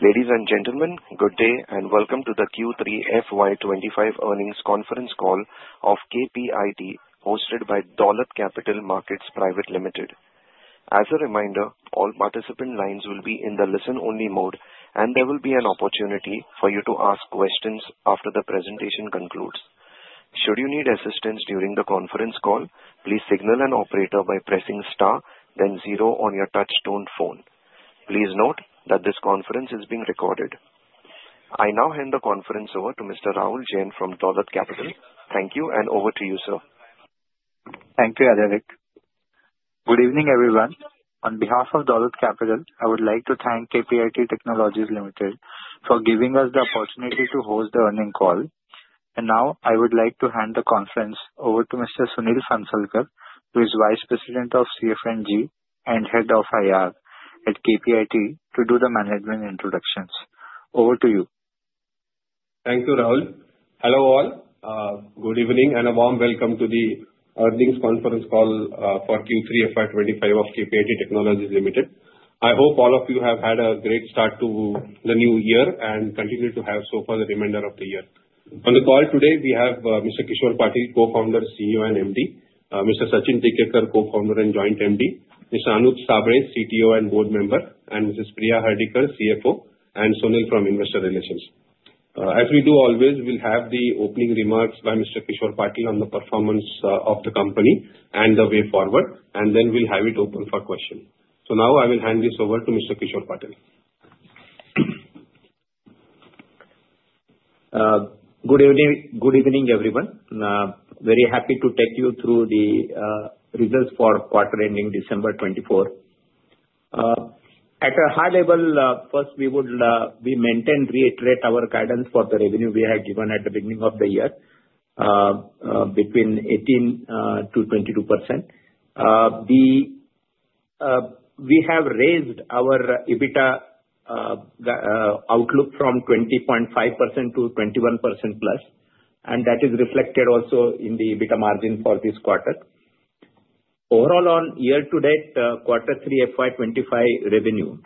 Ladies and gentlemen, good day and welcome to the Q3 FY25 earnings conference call of KPIT, hosted by Dolat Capital Markets Private Limited. As a reminder, all participant lines will be in the listen-only mode, and there will be an opportunity for you to ask questions after the presentation concludes. Should you need assistance during the conference call, please signal an operator by pressing star, then zero on your touch-toned phone. Please note that this conference is being recorded. I now hand the conference over to Mr. Rahul Jain from Dolat Capital. Thank you, and over to you, sir. Thank you, Adhivik. Good evening, everyone. On behalf of Dolat Capital, I would like to thank KPIT Technologies Limited for giving us the opportunity to host the earnings call. And now, I would like to hand the conference over to Mr. Sunil Phansalkar, who is Vice President of CFNG and Head of IR at KPIT, to do the management introductions. Over to you. Thank you, Rahul. Hello, all. Good evening and a warm welcome to the earnings conference call for Q3 FY25 of KPIT Technologies Limited. I hope all of you have had a great start to the new year and continue to have so for the remainder of the year. On the call today, we have Mr. Kishor Patil, Co-Founder, CEO and MD, Mr. Sachin Tikekar, Co-Founder and Joint MD, Mr. Anup Sable, CTO and Board Member, and Mrs. Priya Hardikar, CFO, and Sunil from Investor Relations. As we do always, we'll have the opening remarks by Mr. Kishor Patil on the performance of the company and the way forward, and then we'll have it open for questions. So now, I will hand this over to Mr. Kishor Patil. Good evening, everyone. Very happy to take you through the results for quarter ending December 2024. At a high level, first, we would maintain reiterate our guidance for the revenue we had given at the beginning of the year, between 18% to 22%. We have raised our EBITDA outlook from 20.5% to 21% plus, and that is reflected also in the EBITDA margin for this quarter. Overall, on year-to-date quarter 3 FY25 revenue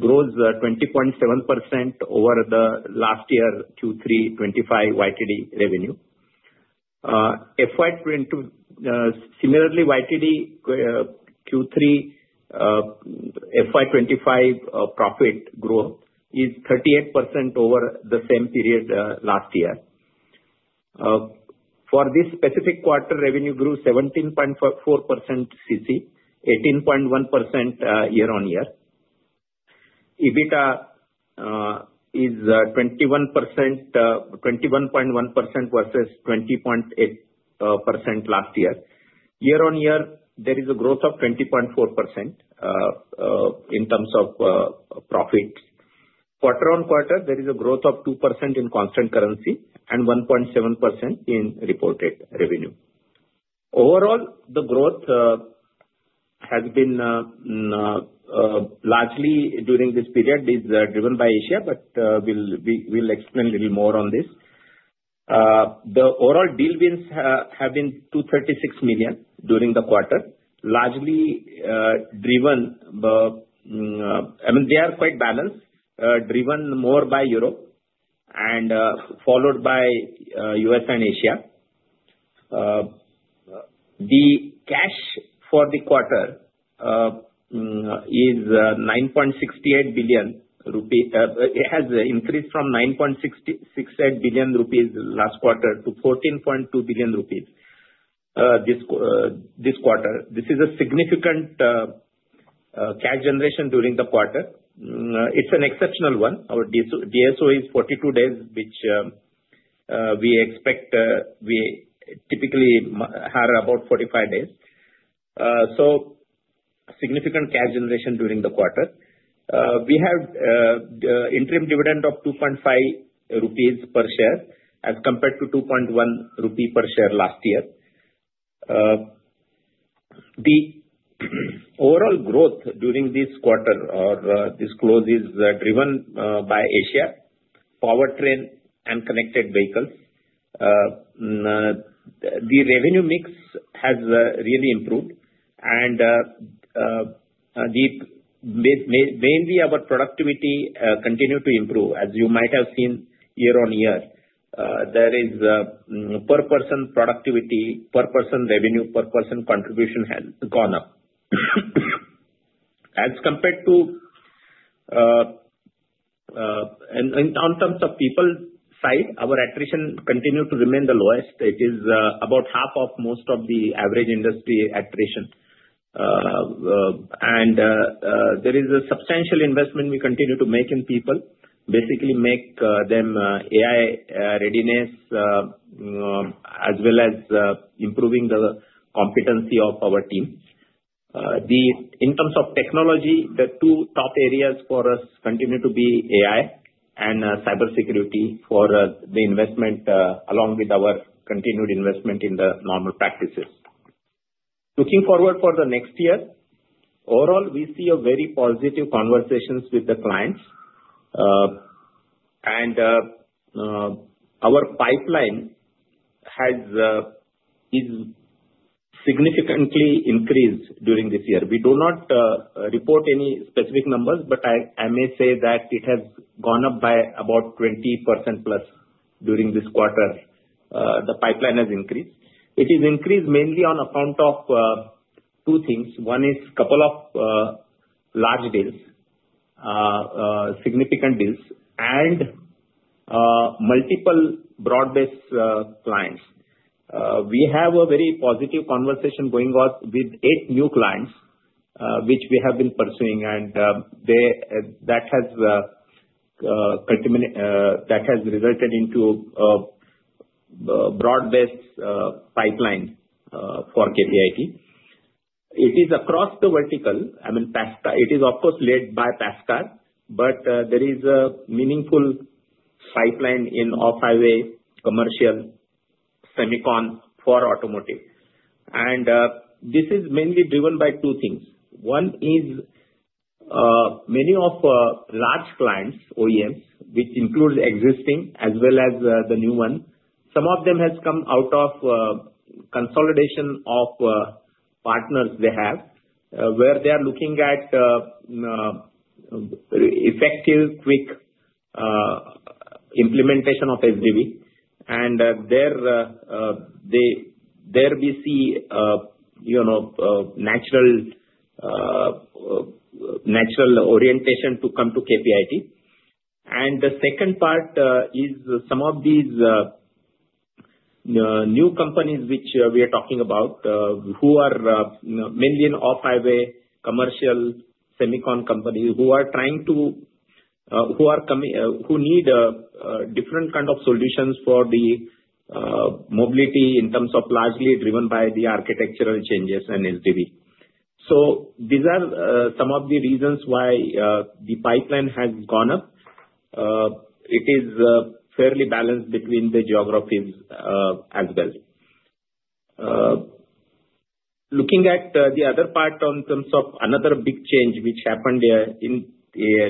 grows 20.7% over the last year Q3 25 YTD revenue. Similarly, YTD Q3 FY25 profit growth is 38% over the same period last year. For this specific quarter, revenue grew 17.4% CC, 18.1% year-on-year. EBITDA is 21.1% versus 20.8% last year. Year-on-year, there is a growth of 20.4% in terms of profit. Quarter on quarter, there is a growth of 2% in constant currency and 1.7% in reported revenue. Overall, the growth has been largely during this period is driven by Asia, but we'll explain a little more on this. The overall deal wins have been $236 million during the quarter, largely driven I mean, they are quite balanced, driven more by Europe and followed by U.S. and Asia. The cash for the quarter is 9.68 billion rupee. It has increased from 9.68 billion rupees last quarter to 14.2 billion rupees this quarter. This is a significant cash generation during the quarter. It's an exceptional one. Our DSO is 42 days, which we expect we typically have about 45 days. So, significant cash generation during the quarter. We have interim dividend of 2.5 rupees per share as compared to 2.1 rupee per share last year. The overall growth during this quarter or this close is driven by Asia, Powertrain, and Connected Vehicles. The revenue mix has really improved, and mainly our productivity continued to improve. As you might have seen year-on-year, there is per person productivity, per person revenue, per person contribution has gone up. As compared to in terms of people side, our attrition continued to remain the lowest. It is about half of most of the average industry attrition. There is a substantial investment we continue to make in people, basically make them AI readiness as well as improving the competency of our team. In terms of technology, the two top areas for us continue to be AI and cybersecurity for the investment along with our continued investment in the normal practices. Looking forward to the next year, overall, we see very positive conversations with the clients, and our pipeline has significantly increased during this year. We do not report any specific numbers, but I may say that it has gone up by about 20% plus during this quarter. The pipeline has increased. It is increased mainly on account of two things. One is a couple of large deals, significant deals, and multiple broad-based clients. We have a very positive conversation going on with eight new clients, which we have been pursuing, and that has resulted into a broad-based pipeline for KPIT. It is across the vertical. I mean, it is, of course, led by PassCar, but there is a meaningful pipeline in Off-Highway, Commercial, Semicon for automotive. And this is mainly driven by two things. One is many of large clients, OEMs, which includes existing as well as the new one. Some of them have come out of consolidation of partners they have, where they are looking at effective, quick implementation of SDV. And there we see natural orientation to come to KPIT. And the second part is some of these new companies which we are talking about, who are mainly in Off-Highway, Commercial, semicon companies who need different kind of solutions for the mobility in terms of largely driven by the architectural changes and SDV. So these are some of the reasons why the pipeline has gone up. It is fairly balanced between the geographies as well. Looking at the other part in terms of another big change which happened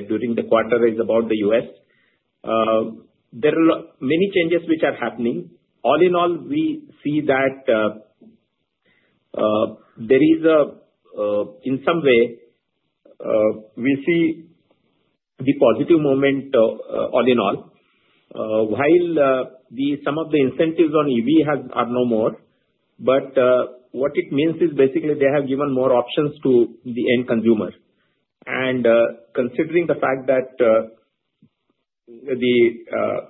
during the quarter is about the U.S. There are many changes which are happening. All in all, we see that there is, in some way, positive momentum all in all. While some of the incentives on EV are no more, but what it means is basically they have given more options to the end consumer. And considering the fact that the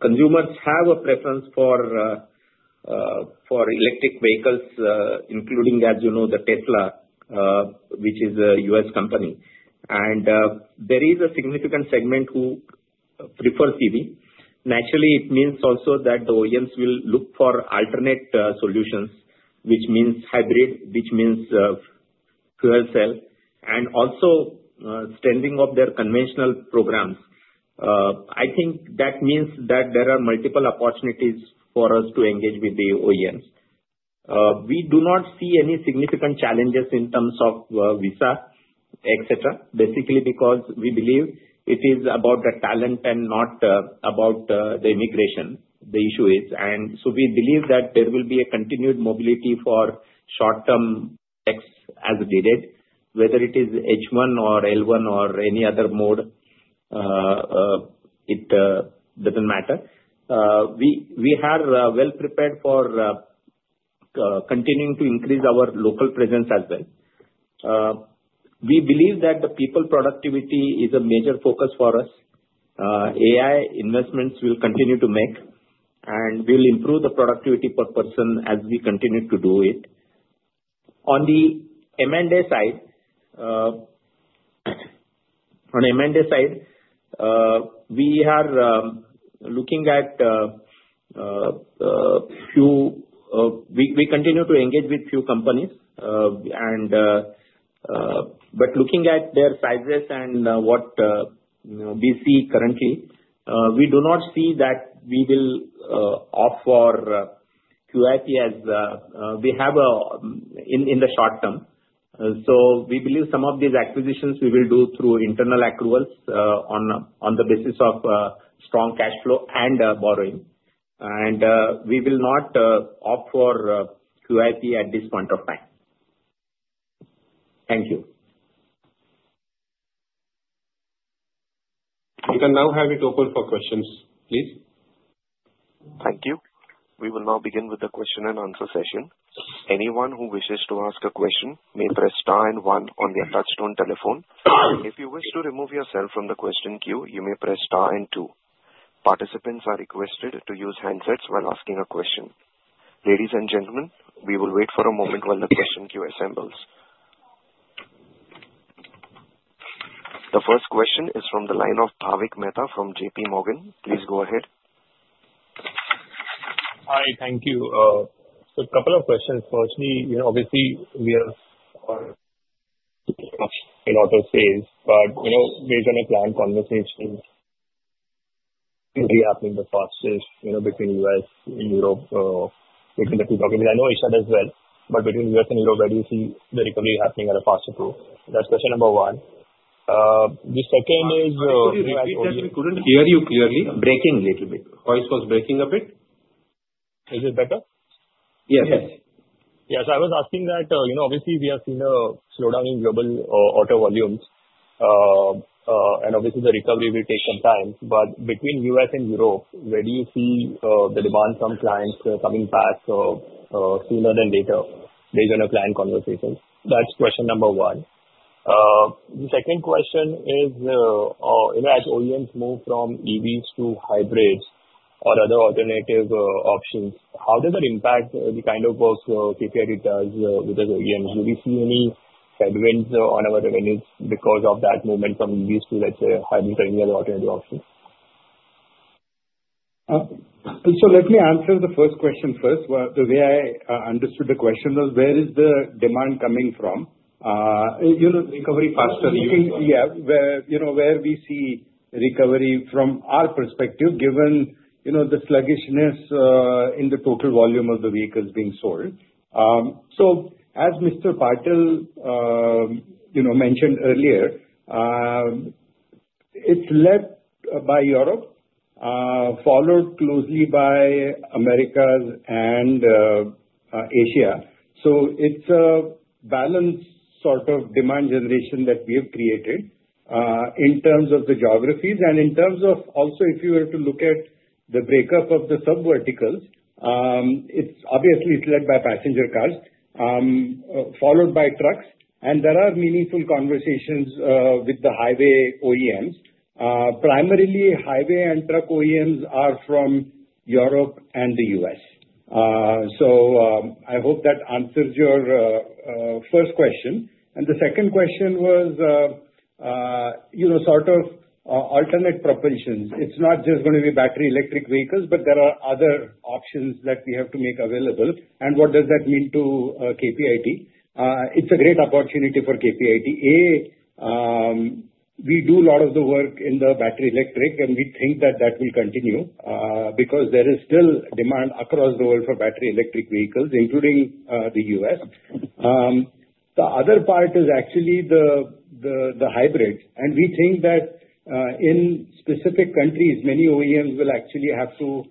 consumers have a preference for electric vehicles, including, as you know, the Tesla, which is a U.S. company. And there is a significant segment who prefers EV. Naturally, it means also that the OEMs will look for alternate solutions, which means hybrid, which means fuel cell. And also, strengthening of their conventional programs. I think that means that there are multiple opportunities for us to engage with the OEMs. We do not see any significant challenges in terms of visa, etc., basically because we believe it is about the talent and not about the immigration, the issue is. And so we believe that there will be a continued mobility for short-term techs as needed, whether it is H1 or L1 or any other mode. It doesn't matter. We are well prepared for continuing to increase our local presence as well. We believe that the people productivity is a major focus for us. AI investments will continue to make, and we will improve the productivity per person as we continue to do it. On the M&A side, we are looking at a few we continue to engage with a few companies. But looking at their sizes and what we see currently, we do not see that we will opt for QIP as we have in the short term. So we believe some of these acquisitions we will do through internal accruals on the basis of strong cash flow and borrowing. We will not opt for QIP at this point of time. Thank you. We can now have it open for questions, please. Thank you. We will now begin with the question and answer session. Anyone who wishes to ask a question may press star and one on the touch-tone telephone. If you wish to remove yourself from the question queue, you may press star and two. Participants are requested to use handsets while asking a question. Ladies and gentlemen, we will wait for a moment while the question queue assembles. The first question is from the line of Bhavik Mehta from JPMorgan. Please go ahead. Hi. Thank you. So a couple of questions. Firstly, obviously, we are in auto space, but based on a planned conversation, it will be happening the fastest between U.S. and Europe because we're talking. I know Asia does well, but between U.S. and Europe, I do see the recovery happening at a faster pace. That's question number one. The second is. Actually, we couldn't hear you clearly. Breaking a little bit. Voice was breaking a bit. Is it better? Yes. Yes. Yeah. So I was asking that, obviously, we have seen a slowdown in global auto volumes, and obviously, the recovery will take some time. But between U.S. and Europe, where do you see the demand from clients coming back sooner than later based on a planned conversation? That's question number one. The second question is, as OEMs move from EVs to hybrids or other alternative options, how does that impact the kind of work KPIT does with the OEMs? Do we see any headwinds on our revenues because of that movement from EVs to, let's say, hybrids or any other alternative options? So let me answer the first question first. The way I understood the question was, where is the demand coming from? Recovery faster. Yeah. Where we see recovery from our perspective, given the sluggishness in the total volume of the vehicles being sold. So as Mr. Patil mentioned earlier, it's led by Europe, followed closely by America and Asia. So it's a balanced sort of demand generation that we have created in terms of the geographies. And in terms of also, if you were to look at the breakup of the subverticals, it's obviously led by passenger cars, followed by trucks. And there are meaningful conversations with the off-highway OEMs. Primarily, off-highway and truck OEMs are from Europe and the U.S. So I hope that answers your first question. And the second question was sort of alternate propulsions. It's not just going to be battery electric vehicles, but there are other options that we have to make available. And what does that mean to KPIT? It's a great opportunity for KPIT. And, we do a lot of the work in the battery electric, and we think that that will continue because there is still demand across the world for battery electric vehicles, including the U.S. The other part is actually the hybrid, and we think that in specific countries, many OEMs will actually have to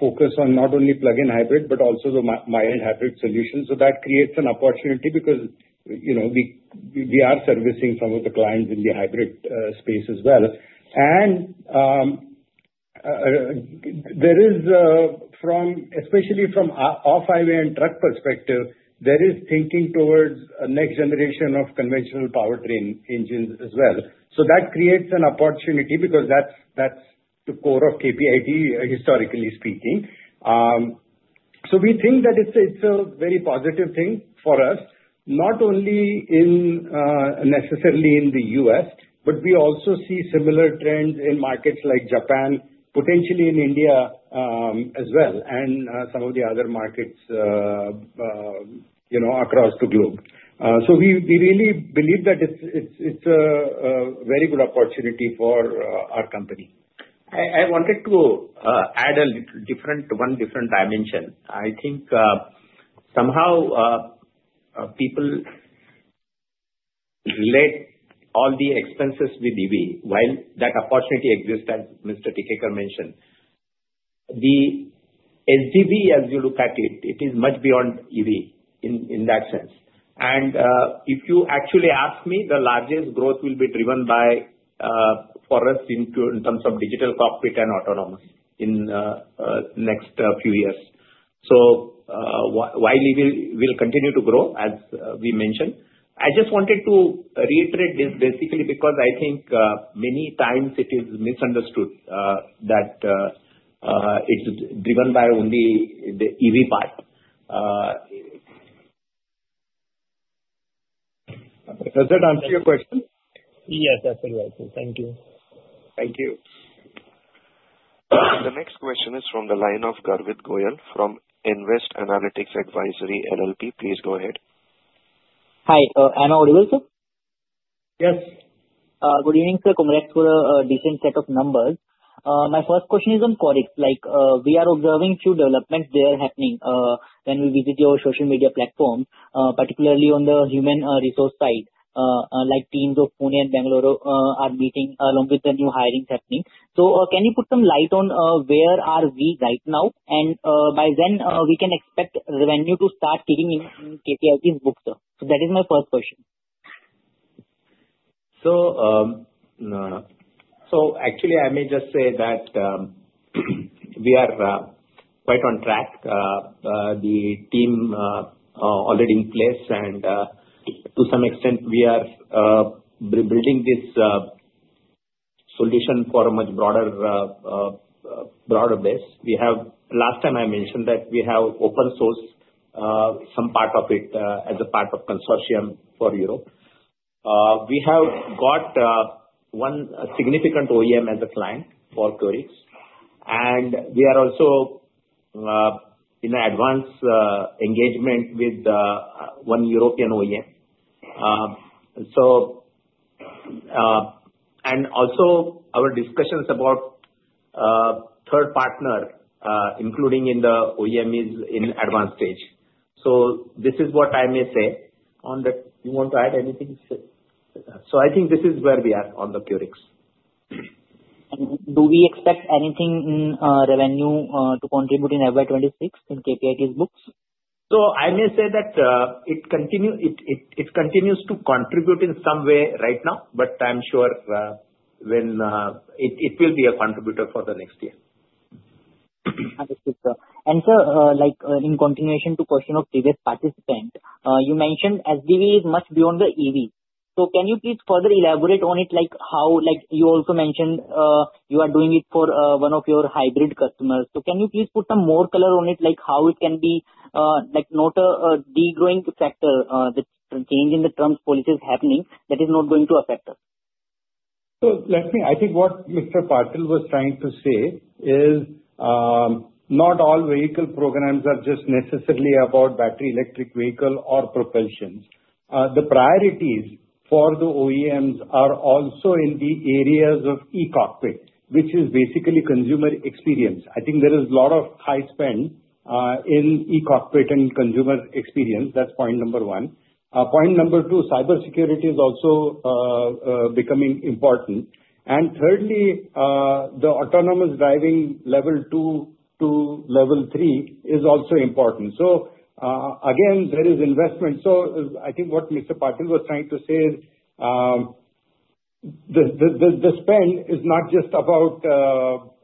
focus on not only plug-in hybrid, but also the mild hybrid solutions, so that creates an opportunity because we are servicing some of the clients in the hybrid space as well, and especially from off-highway and truck perspective, there is thinking towards a next generation of conventional powertrain engines as well, so that creates an opportunity because that's the core of KPIT, historically speaking. We think that it's a very positive thing for us, not only necessarily in the U.S., but we also see similar trends in markets like Japan, potentially in India as well, and some of the other markets across the globe. We really believe that it's a very good opportunity for our company. I wanted to add one different dimension. I think somehow people relate all the expenses with EV. While that opportunity exists, as Mr. Tikekar mentioned, the SDV, as you look at it, it is much beyond EV in that sense. And if you actually ask me, the largest growth will be driven for us in terms of digital cockpit and autonomous in the next few years. So while we will continue to grow, as we mentioned, I just wanted to reiterate this basically because I think many times it is misunderstood that it's driven by only the EV part. Does that answer your question? Yes, that's it. Thank you. Thank you. The next question is from the line of Garvit Goyal from Nvest Analytics Advisory, LLP. Please go ahead. Hi. Am I audible, sir? Yes. Good evening, sir. Congrats for a decent set of numbers. My first question is on QORIX. We are observing a few developments that are happening when we visit your social media platform, particularly on the human resource side. Teams of Pune and Bangalore are meeting along with the new hirings happening. So can you put some light on where are we right now? And by then, we can expect revenue to start kicking in KPIT's books. So that is my first question. So actually, I may just say that we are quite on track. The team is already in place. And to some extent, we are building this solution for a much broader base. Last time, I mentioned that we have open-sourced some part of it as a part of consortium for Europe. We have got one significant OEM as a client for QORIX. And we are also in advanced engagement with one European OEM. And also, our discussions about third partner, including in the OEM, is in advanced stage. So this is what I may say. You want to add anything? So I think this is where we are on the QORIX. Do we expect anything in revenue to contribute in FY26 in KPIT's books? So I may say that it continues to contribute in some way right now, but I'm sure it will be a contributor for the next year. Understood, sir. And sir, in continuation to the question of previous participant, you mentioned SDV is much beyond the EV. So can you please further elaborate on it? You also mentioned you are doing it for one of your hybrid customers. So can you please put some more color on it? How it can be not a degrowing factor, the change in the terms policy is happening, that is not going to affect us? So I think what Mr. Patil was trying to say is not all vehicle programs are just necessarily about battery electric vehicle or propulsion. The priorities for the OEMs are also in the areas of e-Cockpit, which is basically consumer experience. I think there is a lot of high spend in e-Cockpit and consumer experience. That's point number one. Point number two, cybersecurity is also becoming important. And thirdly, the autonomous driving level two to level three is also important. So again, there is investment. So I think what Mr. Patil was trying to say is the spend is not just about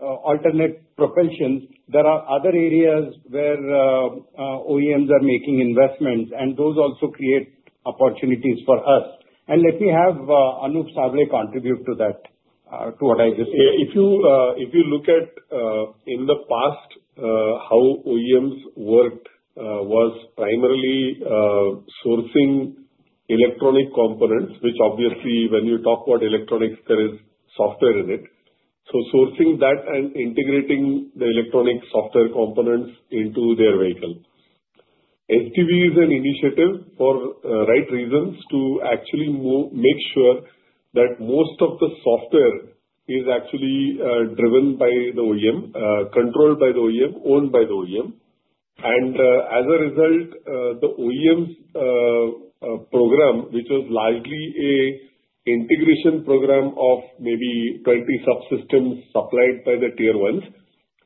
alternate propulsion. There are other areas where OEMs are making investments, and those also create opportunities for us. And let me have Anup Sable contribute to that, to what I just said. If you look at in the past, how OEMs worked was primarily sourcing electronic components, which obviously, when you talk about electronics, there is software in it. So sourcing that and integrating the electronic software components into their vehicle. SDV is an initiative for right reasons to actually make sure that most of the software is actually driven by the OEM, controlled by the OEM, owned by the OEM. And as a result, the OEM's program, which was largely an integration program of maybe 20 subsystems supplied by the Tier Is,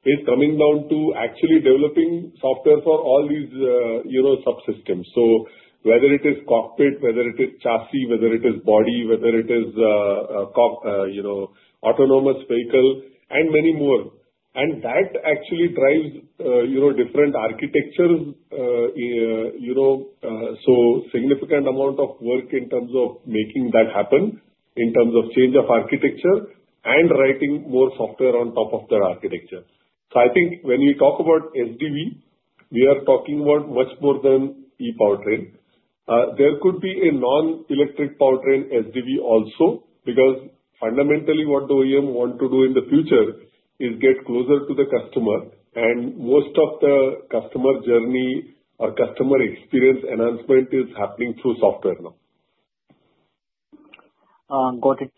is coming down to actually developing software for all these subsystems. So whether it is cockpit, whether it is chassis, whether it is body, whether it is autonomous vehicle, and many more. And that actually drives different architectures. So, significant amount of work in terms of making that happen, in terms of change of architecture, and writing more software on top of their architecture. So I think when we talk about SDV, we are talking about much more than e-powertrain. There could be a non-electric powertrain SDV also because fundamentally what the OEM wants to do in the future is get closer to the customer. And most of the customer journey or customer experience enhancement is happening through software now. Got it.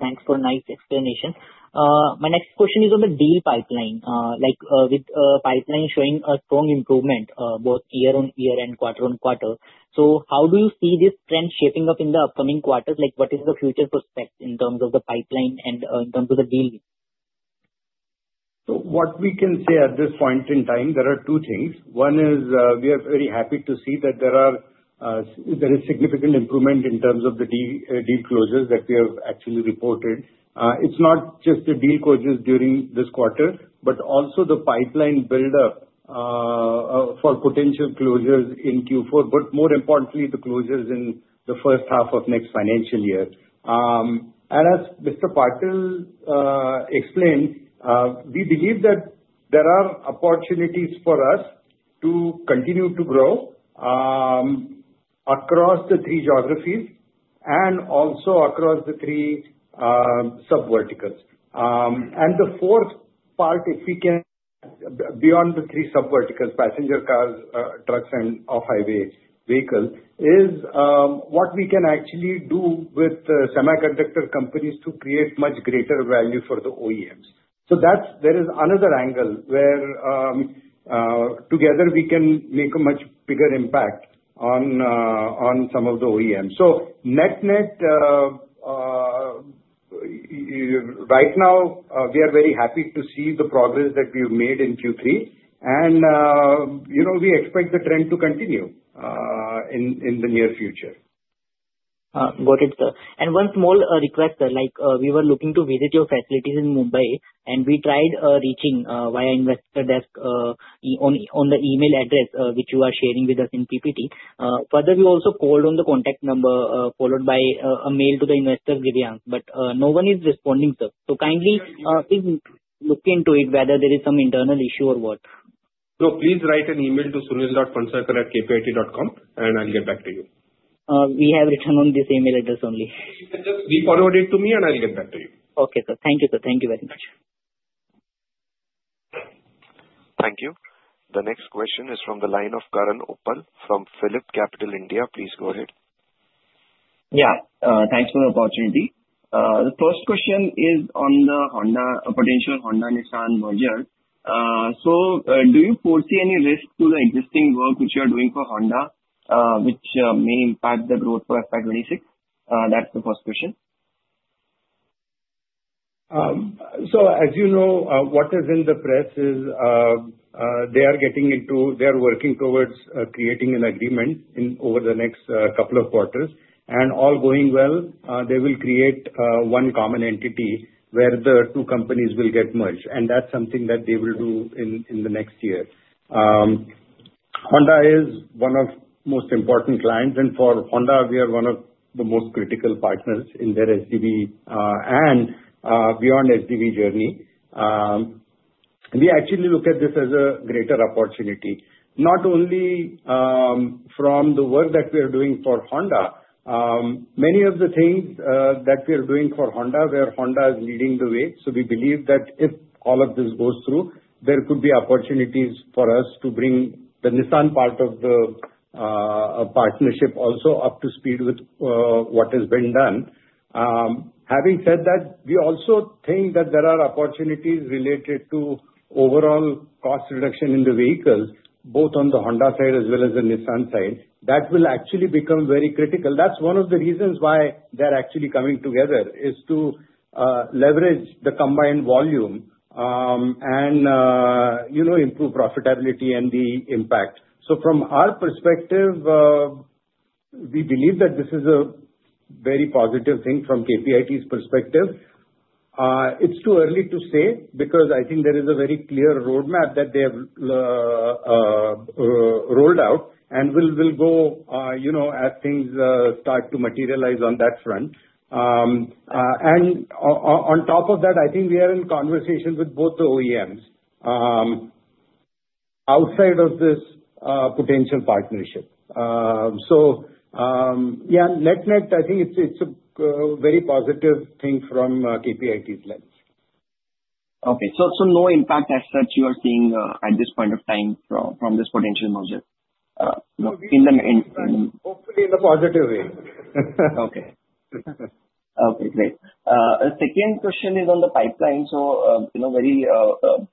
Thanks for a nice explanation. My next question is on the deal pipeline, with pipeline showing a strong improvement both year on year and quarter on quarter. So how do you see this trend shaping up in the upcoming quarters? What is the future prospect in terms of the pipeline and in terms of the deal? So what we can say at this point in time, there are two things. One is we are very happy to see that there is significant improvement in terms of the deal closures that we have actually reported. It's not just the deal closures during this quarter, but also the pipeline buildup for potential closures in Q4, but more importantly, the closures in the first half of next financial year. And as Mr. Patil explained, we believe that there are opportunities for us to continue to grow across the three geographies and also across the three subverticals. And the fourth part, if we can, beyond the three subverticals, passenger cars, trucks, and off-highway vehicles, is what we can actually do with semiconductor companies to create much greater value for the OEMs. So there is another angle where together we can make a much bigger impact on some of the OEMs. So net net, right now, we are very happy to see the progress that we have made in Q3. And we expect the trend to continue in the near future. Got it, sir. And one small request, sir. We were looking to visit your facilities in Mumbai, and we tried reaching via investor desk on the email address which you are sharing with us in PPT. Further, we also called on the contact number followed by a mail to the Investor Relations, but no one is responding, sir. So kindly look into it whether there is some internal issue or what. Please write an email to sunil.phansalkar@kpit.com, and I'll get back to you. We have written on this email address only. You can just re-forward it to me, and I'll get back to you. Okay, sir. Thank you, sir. Thank you very much. Thank you. The next question is from the line of Karan Uppal from PhillipCapital. Please go ahead. Yeah. Thanks for the opportunity. The first question is on the potential Honda-Nissan merger. So do you foresee any risk to the existing work which you are doing for Honda, which may impact the growth for FY26? That's the first question. So as you know, what is in the press is they are working towards creating an agreement over the next couple of quarters, and all going well, they will create one common entity where the two companies will get merged, and that's something that they will do in the next year. Honda is one of the most important clients, and for Honda, we are one of the most critical partners in their SDV and beyond SDV journey. We actually look at this as a greater opportunity. Not only from the work that we are doing for Honda, many of the things that we are doing for Honda where Honda is leading the way, so we believe that if all of this goes through, there could be opportunities for us to bring the Nissan part of the partnership also up to speed with what has been done. Having said that, we also think that there are opportunities related to overall cost reduction in the vehicles, both on the Honda side as well as the Nissan side. That will actually become very critical. That's one of the reasons why they're actually coming together is to leverage the combined volume and improve profitability and the impact. So from our perspective, we believe that this is a very positive thing from KPIT's perspective. It's too early to say because I think there is a very clear roadmap that they have rolled out, and we'll go as things start to materialize on that front. And on top of that, I think we are in conversation with both the OEMs outside of this potential partnership. So yeah, net net, I think it's a very positive thing from KPIT's lens. Okay. So no impact as such you are seeing at this point of time from this potential merger? Hopefully in a positive way. Okay. Okay, great. The second question is on the pipeline. So very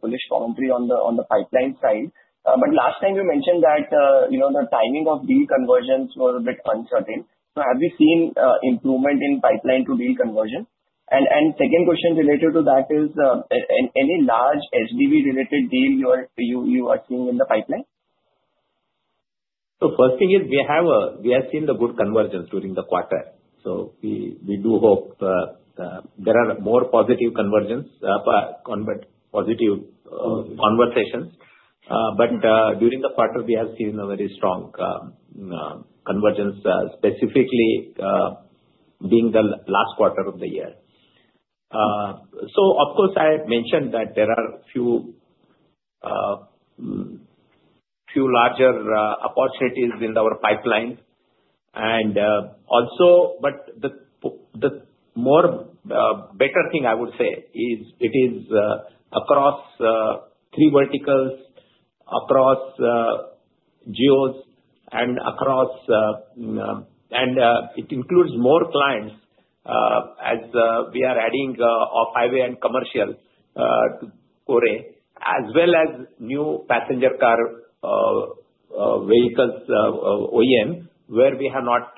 bullish commentary on the pipeline side. But last time, you mentioned that the timing of deal conversions was a bit uncertain. So have you seen improvement in pipeline to deal conversion? And second question related to that is, any large SDV-related deal you are seeing in the pipeline? So first thing is we have seen the good convergence during the quarter. So we do hope there are more positive conversions, positive conversations. But during the quarter, we have seen a very strong convergence, specifically being the last quarter of the year. So of course, I mentioned that there are a few larger opportunities in our pipeline. But the better thing I would say is it is across three verticals, across geos, and it includes more clients as we are adding off-highway and commercial to QORIX, as well as new passenger car vehicles OEM where we have not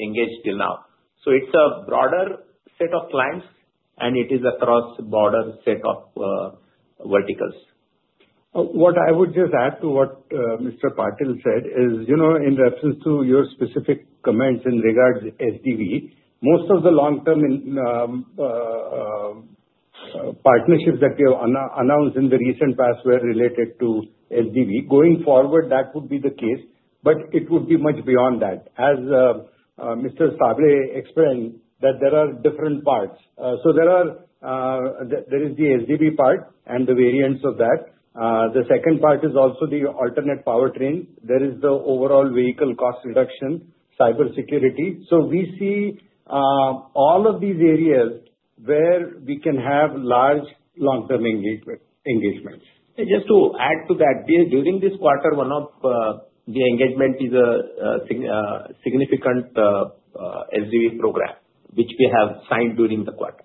engaged till now. So it's a broader set of clients, and it is across a broader set of verticals. What I would just add to what Mr. Patil said is in reference to your specific comments in regards to SDV. Most of the long-term partnerships that we have announced in the recent past were related to SDV. Going forward, that would be the case, but it would be much beyond that. As Mr. Sable explained, that there are different parts. So there is the SDV part and the variants of that. The second part is also the alternate powertrain. There is the overall vehicle cost reduction, cybersecurity. So we see all of these areas where we can have large long-term engagements. Just to add to that, during this quarter, one of the engagement is a significant SDV program, which we have signed during the quarter.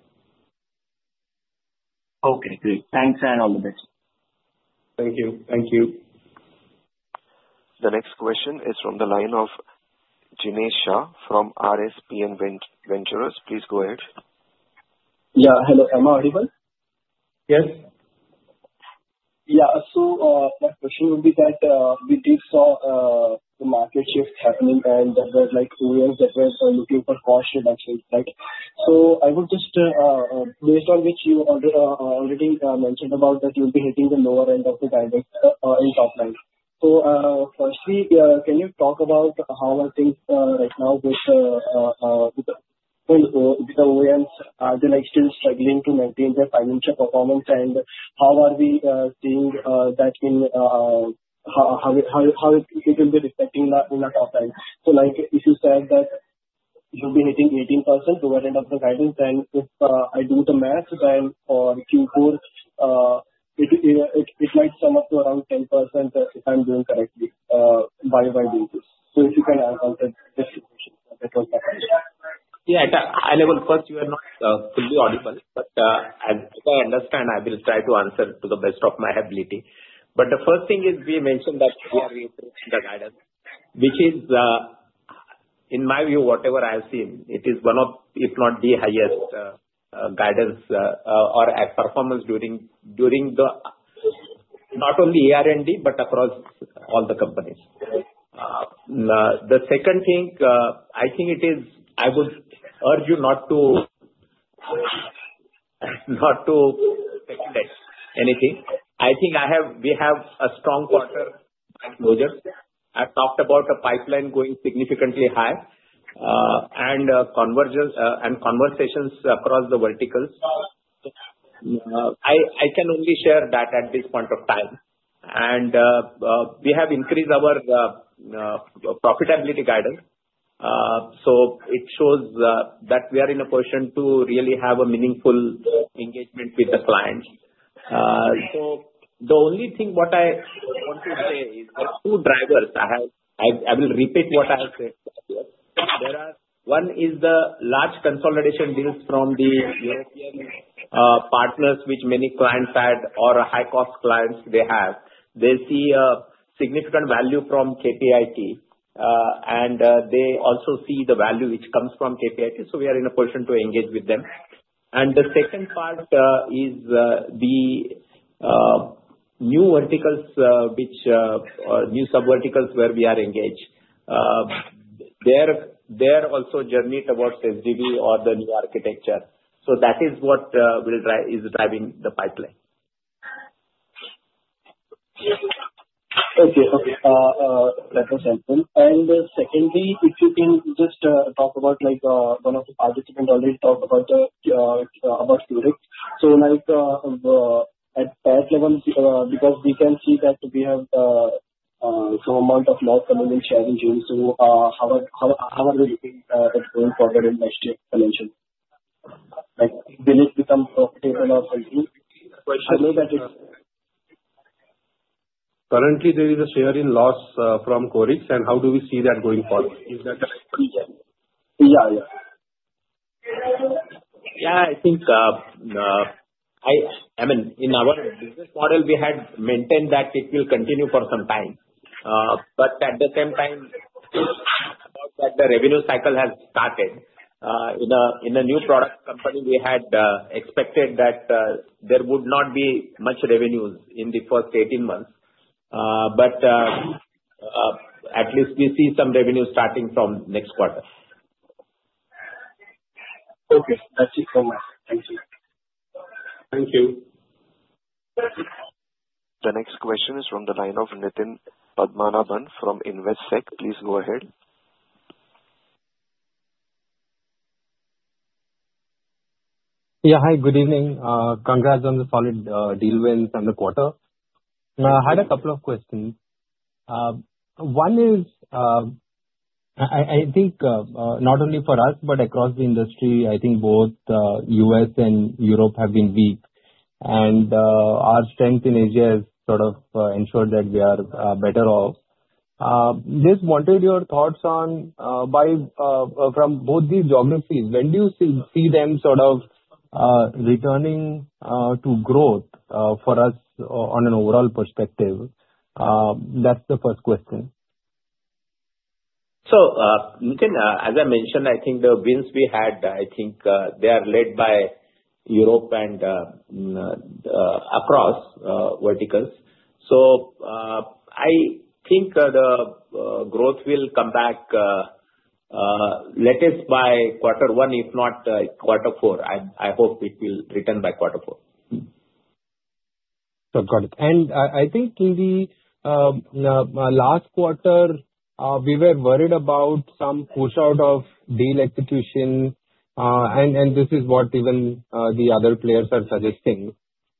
Okay. Thanks, and all the best. Thank you. Thank you. The next question is from the line of Jinesh Shah from RSPN Ventures. Please go ahead. Yeah. Hello. Am I audible? Yes. Yeah. So my question would be that we did see the market shift happening, and there were OEMs that were looking for cost reductions, so I would just, based on what you already mentioned about that you'll be hitting the lower end of the dynamics in top line, so firstly, can you talk about how are things right now with the OEMs? Are they still struggling to maintain their financial performance? And how are we seeing that in how it will be reflecting in the top line? So if you said that you'll be hitting 18% lower end of the guidance, then if I do the math, then for Q4, it might sum up to around 10% if I'm doing correctly by wide basis, so if you can answer that question, that was my question. Yeah. And I will first, you are not fully audible, but as I understand, I will try to answer to the best of my ability. But the first thing is we mentioned that we are waiting for the guidance, which is, in my view, whatever I have seen, it is one of, if not the highest guidance or performance during not only R&D, but across all the companies. The second thing, I think it is I would urge you not to speculate anything. I think we have a strong quarter at closure. I've talked about a pipeline going significantly high and conversations across the verticals. I can only share that at this point of time. And we have increased our profitability guidance. So it shows that we are in a position to really have a meaningful engagement with the clients. So the only thing what I want to say is there are two drivers. I will repeat what I have said. There are one is the large consolidation deals from the European partners, which many clients had, or high-cost clients they have. They see a significant value from KPIT, and they also see the value which comes from KPIT. So we are in a position to engage with them. And the second part is the new verticals, which are new subverticals where we are engaged. They are also journey towards SDV or the new architecture. So that is what is driving the pipeline. Okay. Okay. That was helpful. And secondly, if you can just talk about one of the participants already talked about QORIX. So at that level, because we can see that we have some amount of loss coming in share in June, so how are we looking at going forward in next year's financial? Will it become profitable or something? I know that it's. Currently, there is a share in loss from QORIX, and how do we see that going forward? Is that correct? Yeah. Yeah. Yeah. I think, I mean, in our business model, we had maintained that it will continue for some time. But at the same time, that the revenue cycle has started. In a new product company, we had expected that there would not be much revenues in the first 18 months. But at least we see some revenue starting from next quarter. Okay. Thank you so much. Thank you. Thank you. The next question is from the line of Nitin Padmanabhan from Investec. Please go ahead. Yeah. Hi. Good evening. Congrats on the solid deal wins and the quarter. I had a couple of questions. One is, I think not only for us, but across the industry, I think both the U.S. and Europe have been weak. And our strength in Asia has sort of ensured that we are better off. Just wanted your thoughts on from both these geographies, when do you see them sort of returning to growth for us on an overall perspective? That's the first question. So Nitin, as I mentioned, I think the wins we had. I think they are led by Europe and across verticals. So I think the growth will come back by Q1, if not Q4. I hope it will return by Q4. Got it, and I think in the last quarter, we were worried about some push-out of deal execution, and this is what even the other players are suggesting.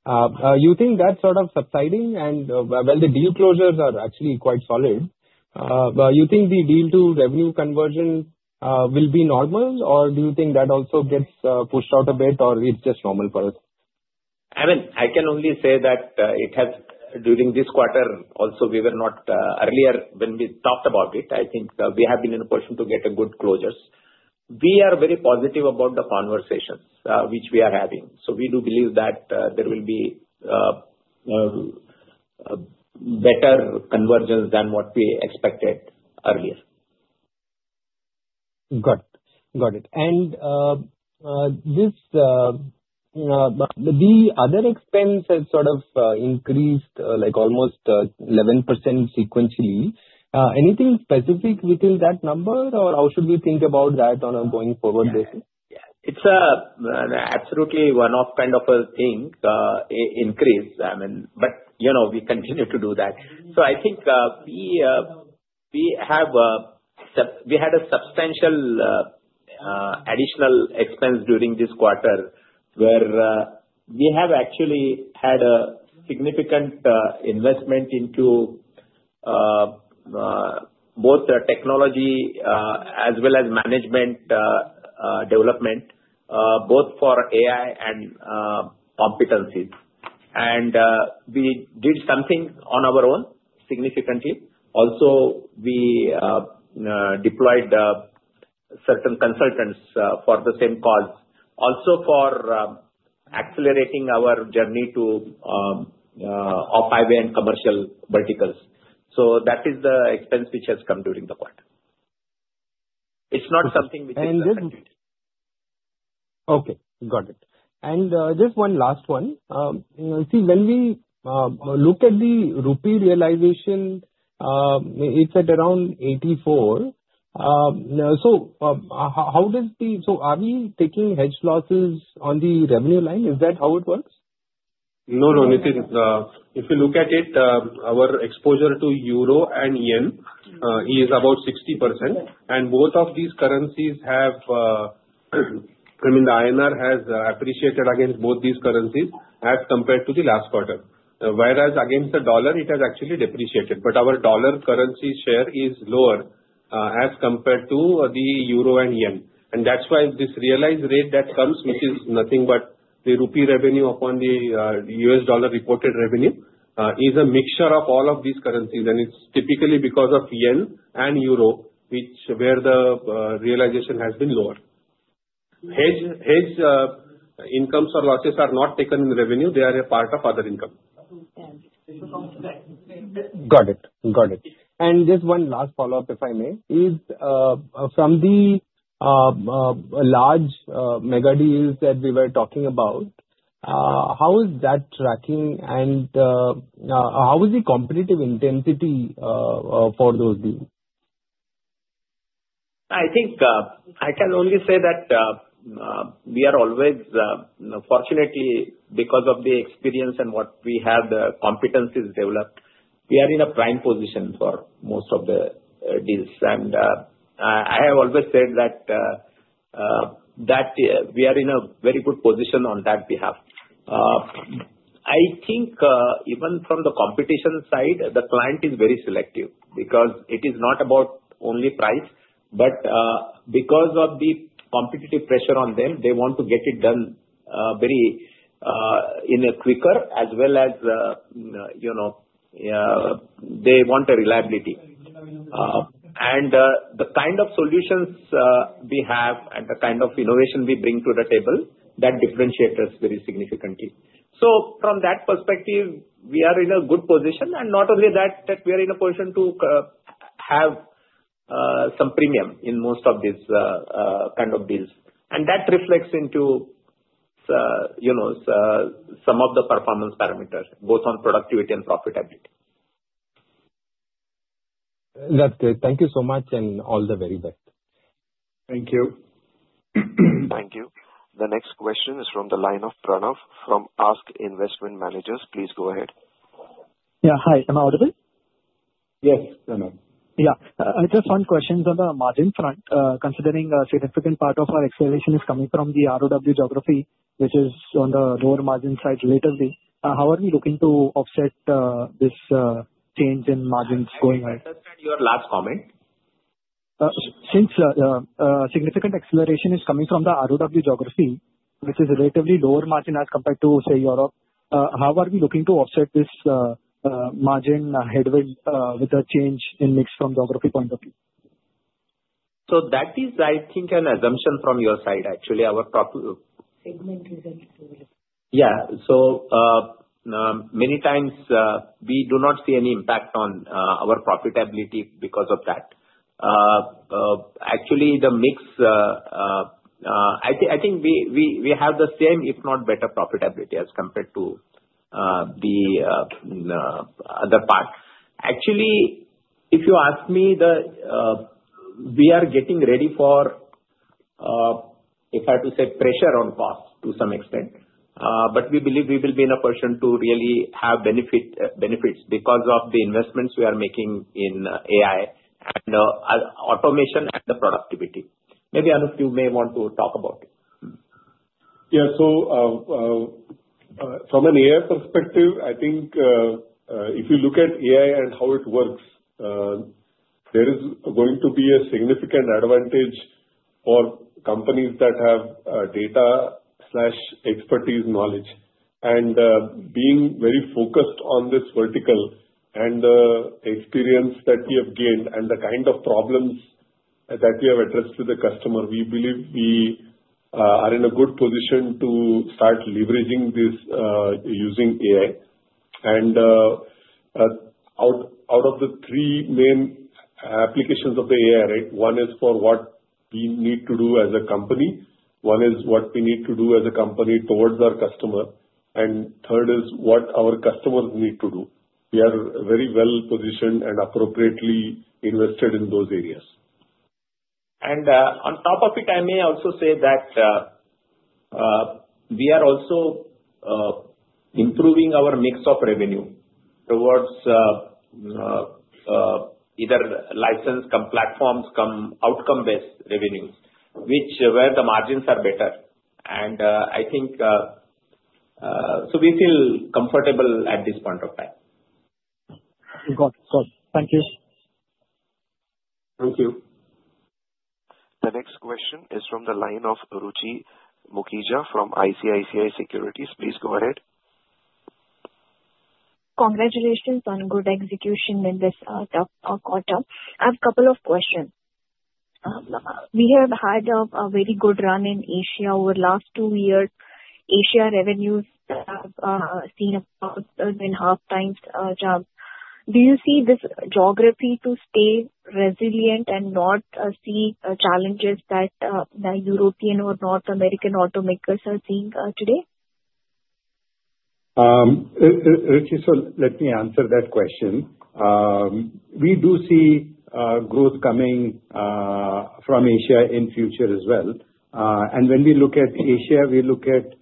You think that's sort of subsiding? and well, the deal closures are actually quite solid, but you think the deal to revenue conversion will be normal, or do you think that also gets pushed out a bit, or it's just normal for us? I mean, I can only say that during this quarter, also we were not earlier when we talked about it. I think we have been in a position to get good closures. We are very positive about the conversations which we are having. So we do believe that there will be better convergence than what we expected earlier. Got it. Got it. And the other expense has sort of increased almost 11% sequentially. Anything specific within that number, or how should we think about that on a going forward basis? Yeah. It's an absolutely one-off kind of a thing, increase. I mean, but we continue to do that. So I think we had a substantial additional expense during this quarter where we have actually had a significant investment into both technology as well as management development, both for AI and competencies. And we did something on our own significantly. Also, we deployed certain consultants for the same cause, also for accelerating our journey to off-highway and commercial verticals. So that is the expense which has come during the quarter. It's not something which is substantial. Okay. Got it. And just one last one. See, when we look at the rupee realization, it's at around 84. So, are we taking hedge losses on the revenue line? Is that how it works? No, no, Nitin. If you look at it, our exposure to Euro and Yen is about 60%. And both of these currencies have I mean, the INR has appreciated against both these currencies as compared to the last quarter. Whereas against the dollar, it has actually depreciated. But our dollar currency share is lower as compared to the Euro and Yen. And that's why this realized rate that comes, which is nothing but the Rupee revenue upon the U.S dollar reported revenue, is a mixture of all of these currencies. And it's typically because of Yen and Euro, which is where the realization has been lower. Hedge incomes or losses are not taken in revenue. They are a part of other income. Got it. Got it. And just one last follow-up, if I may, is from the large megadeals that we were talking about, how is that tracking? And how is the competitive intensity for those deals? I think I can only say that we are always, fortunately, because of the experience and what we have, the competencies developed, we are in a prime position for most of the deals. And I have always said that we are in a very good position on that behalf. I think even from the competition side, the client is very selective because it is not about only price, but because of the competitive pressure on them, they want to get it done very quicker, as well as they want reliability. And the kind of solutions we have and the kind of innovation we bring to the table, that differentiates us very significantly. So from that perspective, we are in a good position. And not only that, that we are in a position to have some premium in most of these kind of deals. That reflects into some of the performance parameters, both on productivity and profitability. That's great. Thank you so much, and all the very best. Thank you. Thank you. The next question is from the line of Pranav from ASK Investment Managers. Please go ahead. Yeah. Hi. Am I audible? Yes. Yeah. Just one question on the margin front. Considering a significant part of our acceleration is coming from the ROW geography, which is on the lower margin side relatively, how are we looking to offset this change in margins going ahead? Can I understand your last comment? Since significant acceleration is coming from the ROW geography, which is relatively lower margin as compared to, say, Europe, how are we looking to offset this margin headwind with a change in mix from geography point of view? So that is, I think, an assumption from your side, actually. Our segment isn't too good. Yeah. So many times, we do not see any impact on our profitability because of that. Actually, the mix I think we have the same, if not better profitability as compared to the other part. Actually, if you ask me, we are getting ready for, if I have to say, pressure on cost to some extent. But we believe we will be in a position to really have benefits because of the investments we are making in AI and automation and the productivity. Maybe Anup, you may want to talk about it. Yeah. So from an AI perspective, I think if you look at AI and how it works, there is going to be a significant advantage for companies that have data, expertise, knowledge. And being very focused on this vertical and the experience that we have gained and the kind of problems that we have addressed with the customer, we believe we are in a good position to start leveraging this using AI. And out of the three main applications of the AI, right, one is for what we need to do as a company, one is what we need to do as a company towards our customer, and third is what our customers need to do. We are very well positioned and appropriately invested in those areas. On top of it, I may also say that we are also improving our mix of revenue towards either license, platforms, outcome-based revenues, which, where the margins are better. I think so we feel comfortable at this point of time. Got it. Got it. Thank you. Thank you. The next question is from the line of Ruchi Mukhija from ICICI Securities. Please go ahead. Congratulations on good execution in this quarter. I have a couple of questions. We have had a very good run in Asia over the last two years. Asia revenues have seen a 1.5 times jump. Do you see this geography to stay resilient and not see challenges that European or North American automakers are seeing today? Okay. So let me answer that question. We do see growth coming from Asia in future as well. And when we look at Asia, we look at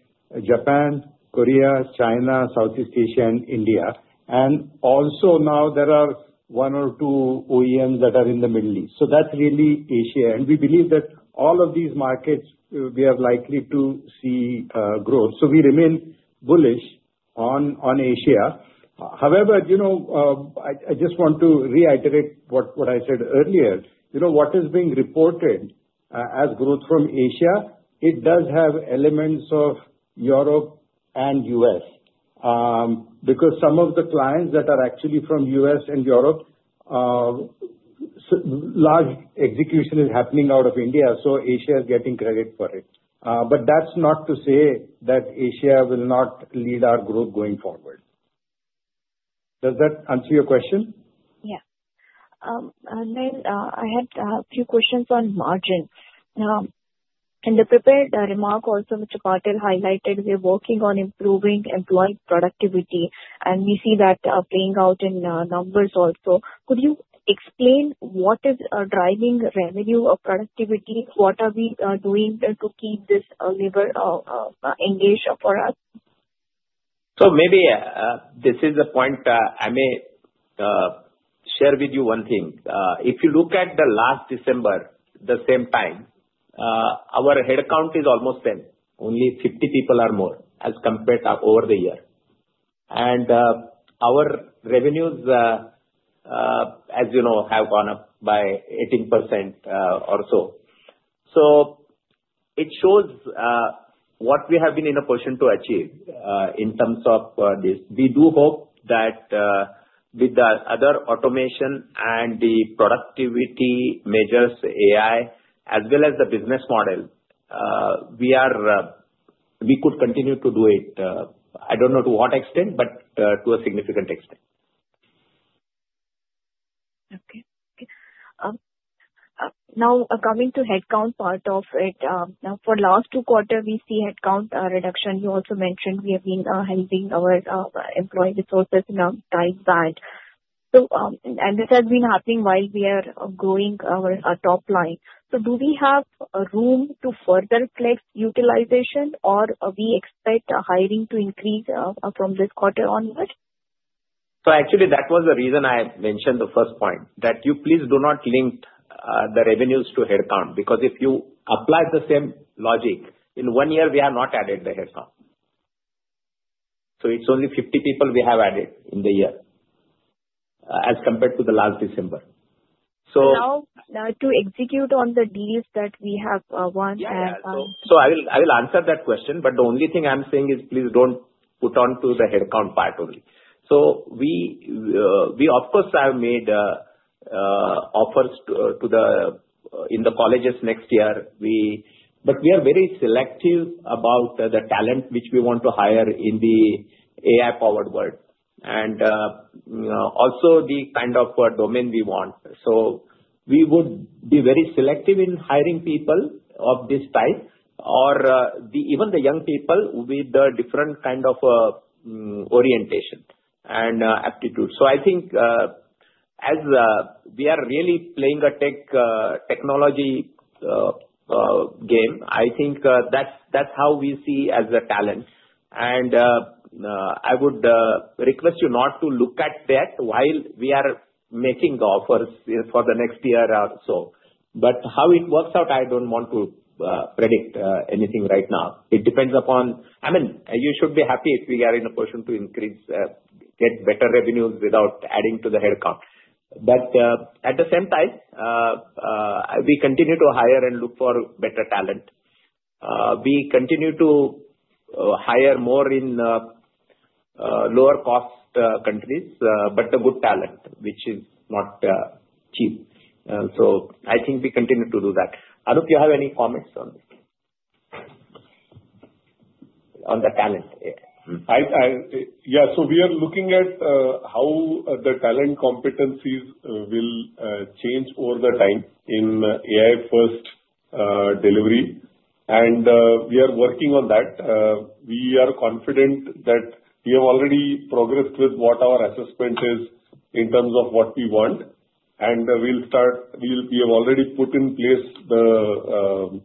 Japan, Korea, China, Southeast Asia, and India. And also now, there are one or two OEMs that are in the Middle East. So that's really Asia. And we believe that all of these markets, we are likely to see growth. So we remain bullish on Asia. However, I just want to reiterate what I said earlier. What is being reported as growth from Asia, it does have elements of Europe and U.S. because some of the clients that are actually from U.S. and Europe, large execution is happening out of India. So Asia is getting credit for it. But that's not to say that Asia will not lead our growth going forward. Does that answer your question? Yeah. And then I had a few questions on margin. Now, in the prepared remark also, Mr. Patil highlighted, we are working on improving employee productivity. And we see that playing out in numbers also. Could you explain what is driving revenue or productivity? What are we doing to keep this labor engaged for us? So, maybe this is the point I may share with you, one thing. If you look at last December, the same time, our headcount is almost 10,000. Only 50 people are more as compared to over the year. And our revenues, as you know, have gone up by 18% or so. So it shows what we have been in a position to achieve in terms of this. We do hope that with the other automation and the productivity measures, AI, as well as the business model, we could continue to do it. I don't know to what extent, but to a significant extent. Okay. Now, coming to headcount part of it, for the last two quarters, we see headcount reduction. You also mentioned we have been helping our employee resources in a tight band. And this has been happening while we are growing our top line. So do we have room to further flex utilization, or are we expect hiring to increase from this quarter onward? So actually, that was the reason I mentioned the first point, that you please do not link the revenues to headcount because if you apply the same logic, in one year, we have not added the headcount. So it's only 50 people we have added in the year as compared to the last December. So. Now, to execute on the deals that we have once had? Yes. So I will answer that question. But the only thing I'm saying is please don't put onto the headcount part only. So we, of course, have made offers in the colleges next year. But we are very selective about the talent which we want to hire in the AI-powered world and also the kind of domain we want. So we would be very selective in hiring people of this type or even the young people with different kind of orientation and aptitude. So I think as we are really playing a tech technology game, I think that's how we see as a talent. And I would request you not to look at that while we are making offers for the next year or so. But how it works out, I don't want to predict anything right now. It depends upon. I mean, you should be happy if we are in a position to increase, get better revenues without adding to the headcount. But at the same time, we continue to hire and look for better talent. We continue to hire more in lower-cost countries, but the good talent, which is not cheap. So I think we continue to do that. Anup, you have any comments on the talent? Yeah. So we are looking at how the talent competencies will change over the time in AI-first delivery. And we are working on that. We are confident that we have already progressed with what our assessment is in terms of what we want. And we have already put in place the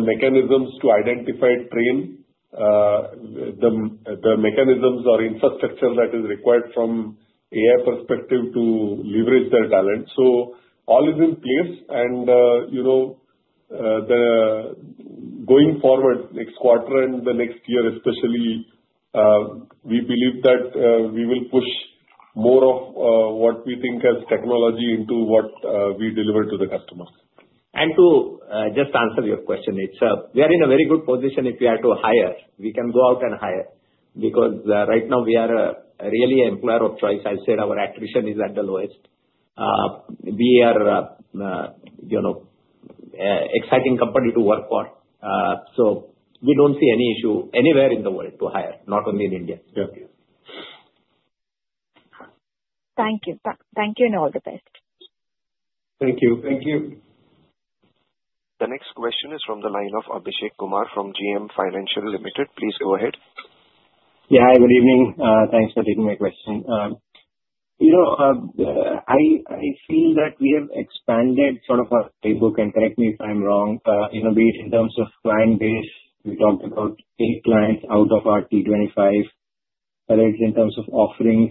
mechanisms to identify, train the mechanisms or infrastructure that is required from AI perspective to leverage their talent. So all is in place. And going forward, next quarter and the next year, especially, we believe that we will push more of what we think as technology into what we deliver to the customers. And to just answer your question, we are in a very good position if we are to hire. We can go out and hire because right now, we are really an employer of choice. I said our attrition is at the lowest. We are an exciting company to work for. So we don't see any issue anywhere in the world to hire, not only in India. Thank you. Thank you and all the best. Thank you. Thank you. The next question is from the line of Abhishek Kumar from JM Financial Limited. Please go ahead. Yeah. Hi. Good evening. Thanks for taking my question. I feel that we have expanded sort of our playbook. And correct me if I'm wrong. In terms of client base, we talked about eight clients out of our T25. In terms of offerings,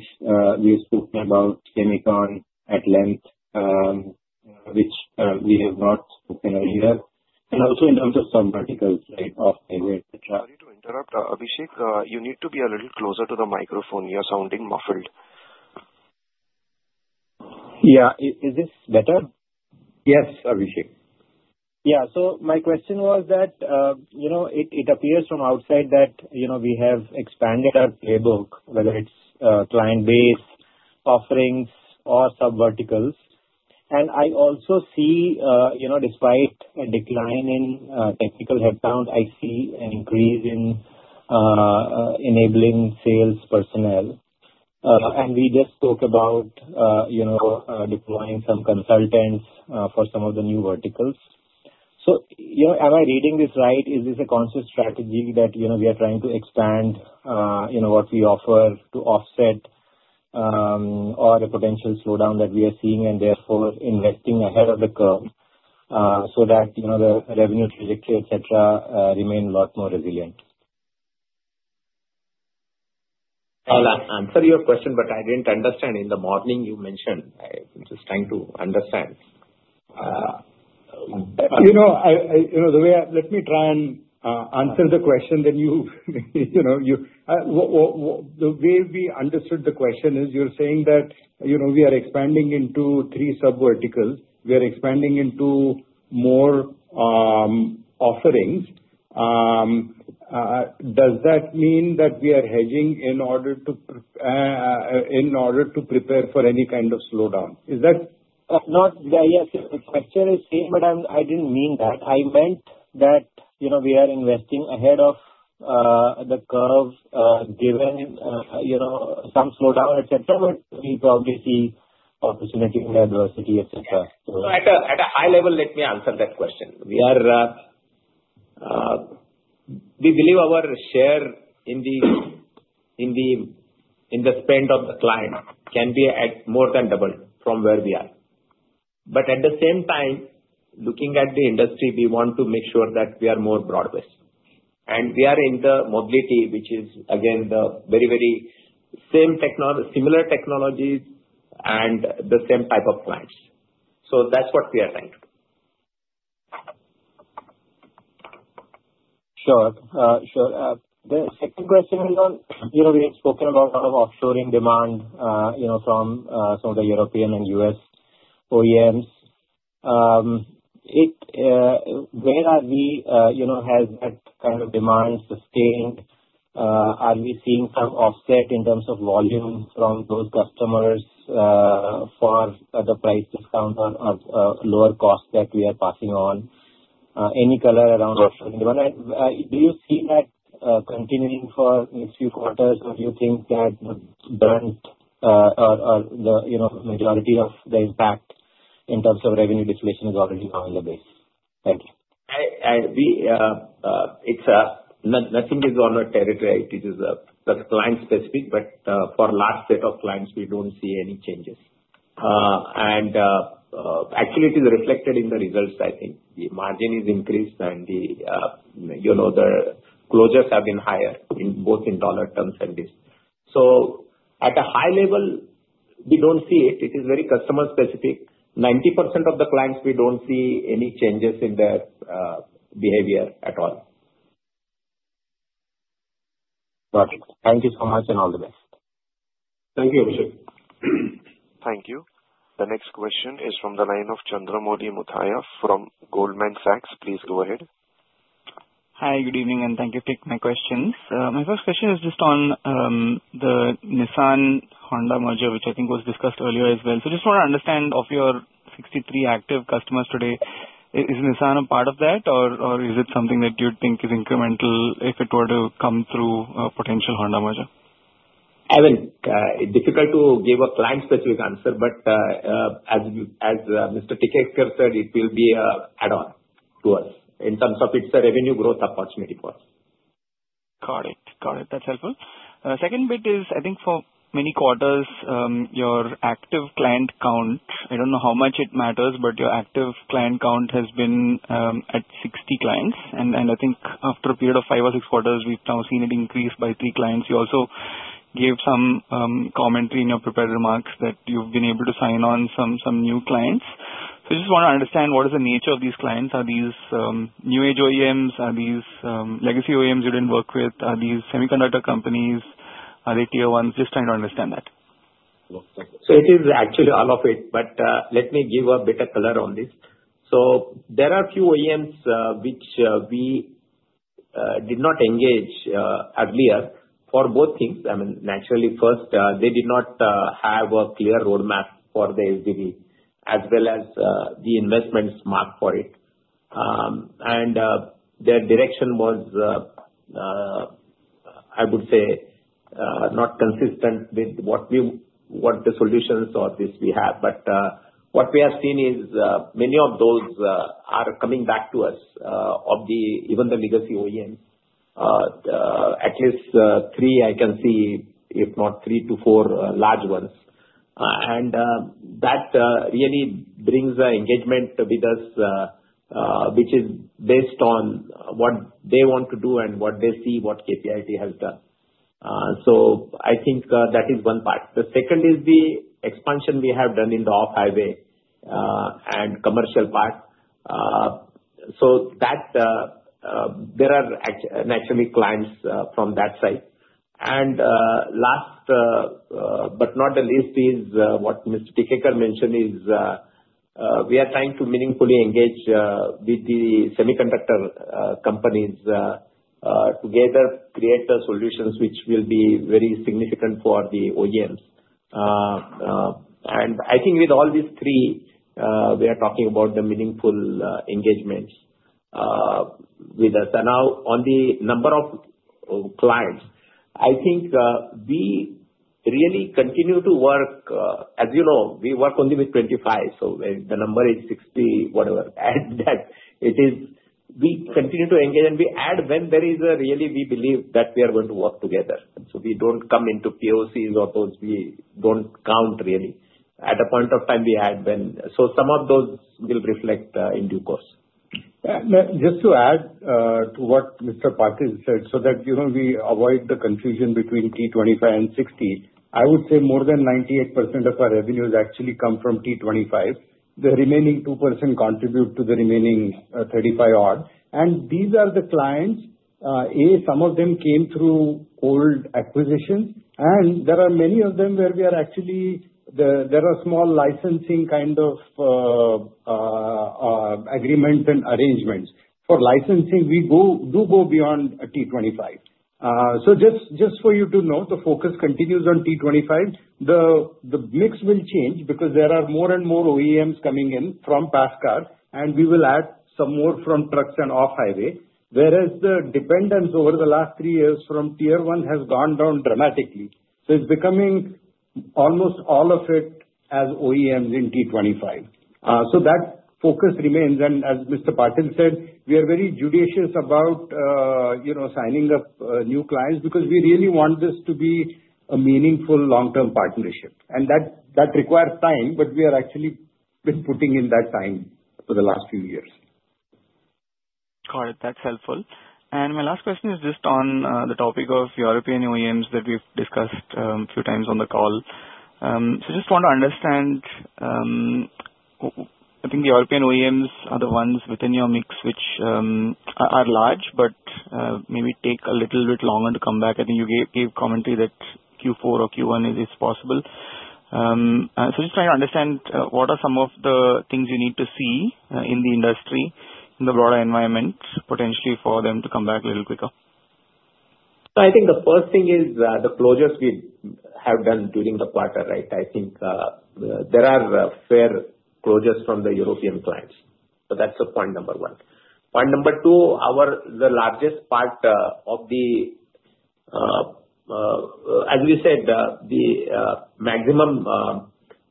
we have spoken about Semicon at length, which we have not spoken earlier. And also in terms of subverticals, right, of HEV, etc. Sorry to interrupt, Abhishek. You need to be a little closer to the microphone. You're sounding muffled. Yeah. Is this better? Yes, Abhishek. Yeah. So my question was that it appears from outside that we have expanded our playbook, whether it's client base, offerings, or subverticals. And I also see, despite a decline in technical headcount, I see an increase in enabling sales personnel. And we just spoke about deploying some consultants for some of the new verticals. So am I reading this right? Is this a conscious strategy that we are trying to expand what we offer to offset or a potential slowdown that we are seeing and therefore investing ahead of the curve so that the revenue trajectory, etc., remain a lot more resilient? I'll answer your question, but I didn't understand. In the morning, you mentioned. I'm just trying to understand. The way, let me try and answer the question, then the way we understood the question is you're saying that we are expanding into three subverticals. We are expanding into more offerings. Does that mean that we are hedging in order to prepare for any kind of slowdown? Is that? The question is the same, but I didn't mean that. I meant that we are investing ahead of the curve given some slowdown, etc., but we probably see opportunity in adversity, etc. So at a high level, let me answer that question. We believe our share in the spend of the client can be more than doubled from where we are. But at the same time, looking at the industry, we want to make sure that we are more broad-based. And we are in the mobility, which is, again, the very, very similar technologies and the same type of clients. So that's what we are trying to do. Sure. Sure. The second question is on, we had spoken about kind of offshoring demand from some of the European and U.S. OEMs. Where are we? Has that kind of demand sustained? Are we seeing some offset in terms of volume from those customers for the price discount or lower cost that we are passing on? Any color around offshoring? Do you see that continuing for next few quarters, or do you think that the brunt or the majority of the impact in terms of revenue deflation is already now in the base? Thank you. Nothing is on our territory. It is client-specific, but for the last set of clients, we don't see any changes. And actually, it is reflected in the results, I think. The margin is increased, and the closures have been higher, both in dollar terms and this. So at a high level, we don't see it. It is very customer-specific. 90% of the clients, we don't see any changes in their behavior at all. Got it. Thank you so much and all the best. Thank you, Abhishek. Thank you. The next question is from the line of Chandramouli Muthiah from Goldman Sachs. Please go ahead. Hi. Good evening, and thank you for taking my questions. My first question is just on the Nissan-Honda merger, which I think was discussed earlier as well. So I just want to understand, of your 63 active customers today, is Nissan a part of that, or is it something that you'd think is incremental if it were to come through a potential Honda merger? I mean, difficult to give a client-specific answer, but as Mr. Tikekar said, it will be add-on to us in terms of it's a revenue growth opportunity for us. Got it. Got it. That's helpful. Second bit is, I think for many quarters, your active client count, I don't know how much it matters, but your active client count has been at 60 clients, and I think after a period of five or six quarters, we've now seen it increase by three clients. You also gave some commentary in your prepared remarks that you've been able to sign on some new clients, so I just want to understand what is the nature of these clients? Are these new-age OEMs? Are these legacy OEMs you didn't work with? Are these semiconductor companies? Are they Tier 1s? Just trying to understand that. So it is actually all of it, but let me give a bit of color on this. So there are a few OEMs which we did not engage earlier for both things. I mean, naturally, first, they did not have a clear roadmap for the SDV as well as the investment smarts for it. And their direction was, I would say, not consistent with what the solutions or this we have. But what we have seen is many of those are coming back to us, even the legacy OEMs. At least three, I can see, if not three to four large ones. And that really brings engagement with us, which is based on what they want to do and what they see what KPIT has done. So I think that is one part. The second is the expansion we have done in the off-highway and commercial part. There are naturally clients from that side. And last but not the least is what Mr. Tikekar mentioned is we are trying to meaningfully engage with the semiconductor companies together, create the solutions which will be very significant for the OEMs. And I think with all these three, we are talking about the meaningful engagements with us. And now, on the number of clients, I think we really continue to work. As you know, we work only with 25. The number is 60, whatever. And we continue to engage, and we add when there is a really we believe that we are going to work together. We don't come into POCs or those we don't count really. At a point of time, we add when. Some of those will reflect in due course. Just to add to what Mr. Patil said so that we avoid the confusion between T25 and 60, I would say more than 98% of our revenues actually come from T25. The remaining 2% contribute to the remaining 35 odd. And these are the clients. A, some of them came through old acquisitions. And there are many of them where we are actually small licensing kind of agreements and arrangements. For licensing, we do go beyond T25. So just for you to know, the focus continues on T25. The mix will change because there are more and more OEMs coming in from PassCar, and we will add some more from trucks and off-highway. Whereas the dependence over the last three years from tier one has gone down dramatically. So it's becoming almost all of it as OEMs in T25. So that focus remains. And as Mr. Patil said, "We are very judicious about signing up new clients because we really want this to be a meaningful long-term partnership. And that requires time, but we are actually been putting in that time for the last few years. Got it. That's helpful, and my last question is just on the topic of European OEMs that we've discussed a few times on the call, so just want to understand. I think the European OEMs are the ones within your mix which are large but maybe take a little bit longer to come back. I think you gave commentary that Q4 or Q1 is possible, so just trying to understand what are some of the things you need to see in the industry, in the broader environment, potentially for them to come back a little quicker. So I think the first thing is the closures we have done during the quarter, right? I think there are fair closures from the European clients. So that's point number one. Point number two, the largest part of the, as we said, the maximum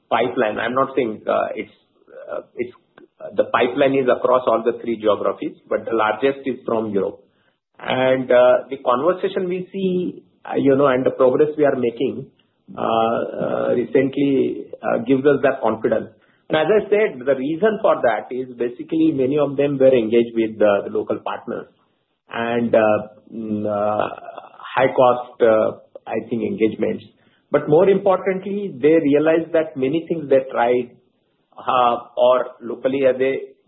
pipeline. I'm not saying it's the pipeline is across all the three geographies, but the largest is from Europe. And the conversation we see and the progress we are making recently gives us that confidence. And as I said, the reason for that is basically many of them were engaged with the local partners and high-cost, I think, engagements. But more importantly, they realized that many things they tried or locally,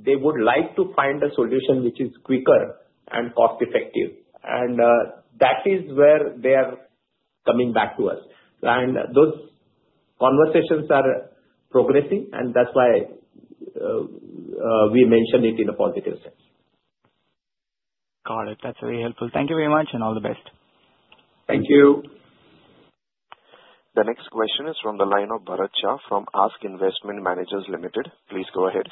they would like to find a solution which is quicker and cost-effective. And that is where they are coming back to us. Those conversations are progressing, and that's why we mention it in a positive sense. Got it. That's very helpful. Thank you very much and all the best. Thank you. The next question is from the line of Bharat Shah from ASK Investment Managers Limited. Please go ahead.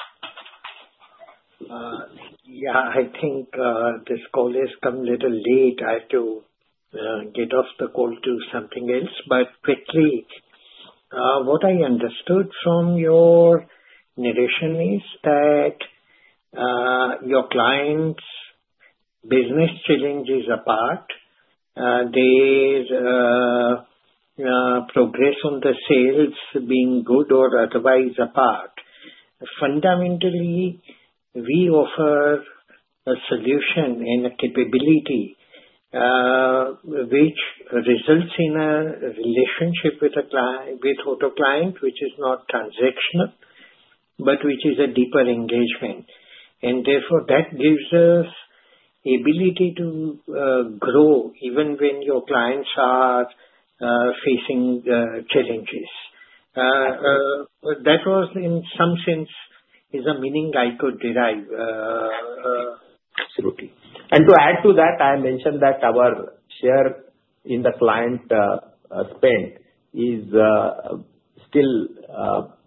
Yeah. I think this call has come a little late. I have to get off the call to something else. But quickly, what I understood from your narration is that your clients' business challenges apart, their progress on the sales being good or otherwise apart. Fundamentally, we offer a solution and a capability which results in a relationship with auto client, which is not transactional, but which is a deeper engagement. And therefore, that gives us the ability to grow even when your clients are facing challenges. That was, in some sense, is a meaning I could derive. Absolutely. And to add to that, I mentioned that our share in the client spend still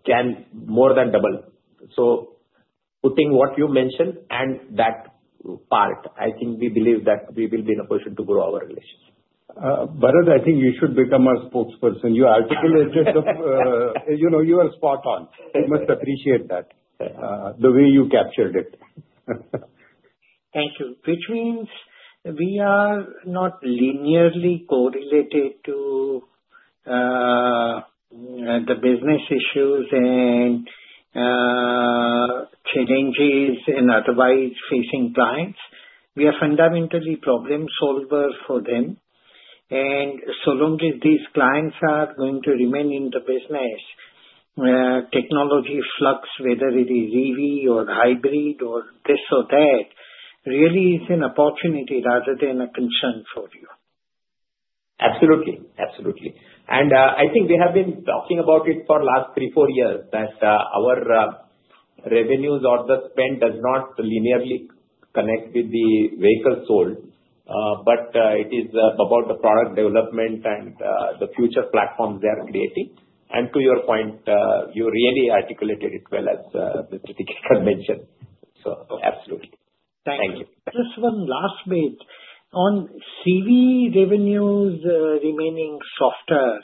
can more than double. So putting what you mentioned and that part, I think we believe that we will be in a position to grow our relationship. Bharat, I think you should become our spokesperson. You articulated it. You are spot on. I must appreciate that, the way you captured it. Thank you. Which means we are not linearly correlated to the business issues and challenges and otherwise facing clients. We are fundamentally problem solvers for them and so long as these clients are going to remain in the business, technology flux, whether it is EV or hybrid or this or that, really is an opportunity rather than a concern for you. Absolutely. Absolutely. And I think we have been talking about it for the last three, four years, that our revenues or the spend does not linearly connect with the vehicles sold, but it is about the product development and the future platforms they are creating. And to your point, you really articulated it well as Mr. Tikekar mentioned. So absolutely. Thank you. Just one last bit. On CV revenues remaining softer,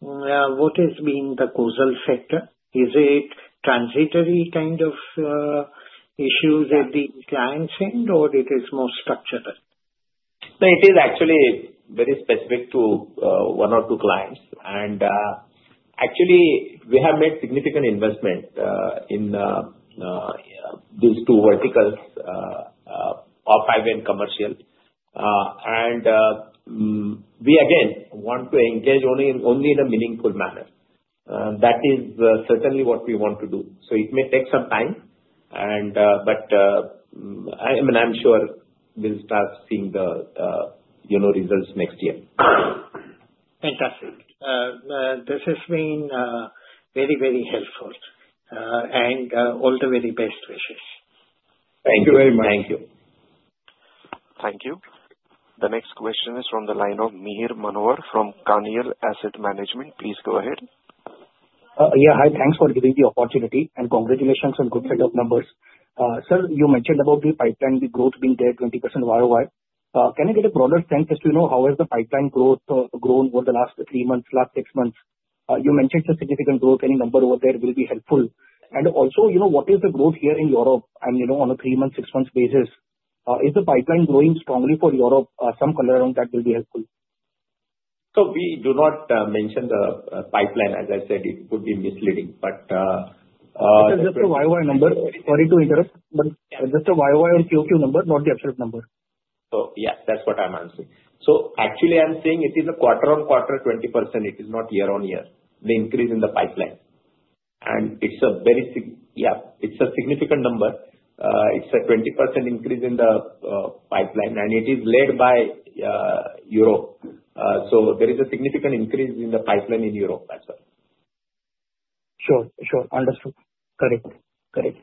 what has been the causal factor? Is it transitory kind of issues at the client's end, or it is more structural? So it is actually very specific to one or two clients. And actually, we have made significant investment in these two verticals, Off-Highway and commercial. And we, again, want to engage only in a meaningful manner. That is certainly what we want to do. So it may take some time, but I mean, I'm sure we'll start seeing the results next year. Fantastic. This has been very, very helpful, and all the very best wishes. Thank you very much. Thank you. Thank you. The next question is from the line of Mihir Manohar from Carnelian Asset Management. Please go ahead. Yeah. Hi. Thanks for giving the opportunity and congratulations on good set of numbers. Sir, you mentioned about the pipeline, the growth being there 20% ROI. Can I get a broader sense as to how has the pipeline grown over the last three months, last six months? You mentioned the significant growth. Any number over there will be helpful. And also, what is the growth here in Europe? I mean, on a three-month, six-month basis, is the pipeline growing strongly for Europe? Some color on that will be helpful. So we do not mention the pipeline, as I said. It would be misleading. But. Sir, just the YY number. Sorry to interrupt, but just the YY or QQ number, not the absolute number. Yeah, that's what I'm answering. Actually, I'm saying it is a quarter-on-quarter 20%. It is not year-on-year, the increase in the pipeline. It's a very significant number. It's a 20% increase in the pipeline, and it is led by Europe. There is a significant increase in the pipeline in Europe as well. Sure. Sure. Understood. Correct. Correct.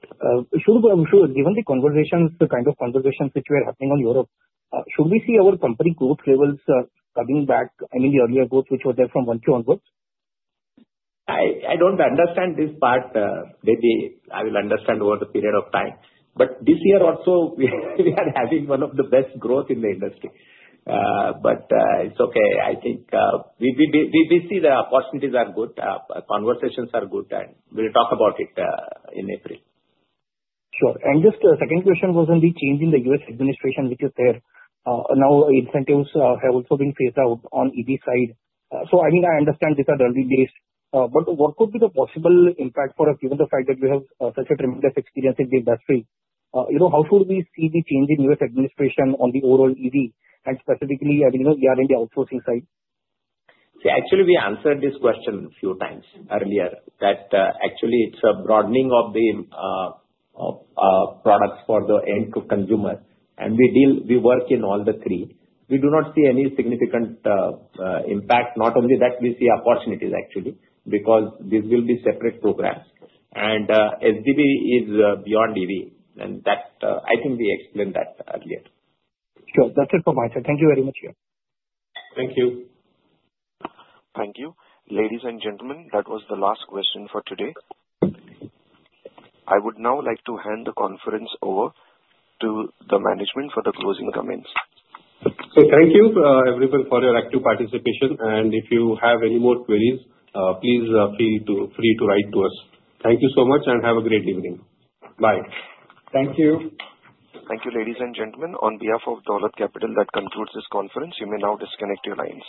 Given the conversations, the kind of conversations which we are having on Europe, should we see our company growth levels coming back? I mean, the earlier growth which was there from one Q onwards? I don't understand this part. Maybe I will understand over the period of time. But this year also, we are having one of the best growth in the industry. But it's okay. I think we see the opportunities are good, conversations are good, and we'll talk about it in April. Sure, and just the second question was on the change in the U.S. administration which is there. Now, incentives have also been phased out on EV side, so I mean, I understand these are early days, but what could be the possible impact for us given the fact that we have such a tremendous experience in the industry? How should we see the change in U.S. administration on the overall EV, and specifically, I mean, we are in the outsourcing side. See, actually, we answered this question a few times earlier that actually it's a broadening of the products for the end consumer, and we work in all the three. We do not see any significant impact. Not only that, we see opportunities, actually, because these will be separate programs, and SDV is beyond EV, and I think we explained that earlier. Sure. That's it for my side. Thank you very much, yeah. Thank you. Thank you. Ladies and gentlemen, that was the last question for today. I would now like to hand the conference over to the management for the closing comments. So thank you, everyone, for your active participation. And if you have any more queries, please feel free to write to us. Thank you so much and have a great evening. Bye. Thank you. Thank you, ladies and gentlemen. On behalf of Dolat Capital, that concludes this conference. You may now disconnect your lines.